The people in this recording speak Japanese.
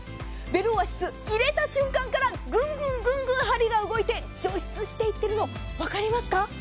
ベルオアシス入れた瞬間からぐんぐんぐんぐん、針が動いて除湿していっているの分かりますか？